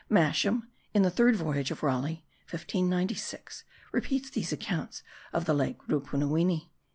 Masham in the third voyage of Raleigh (1596) repeats these accounts of the Lake Rupunuwini.)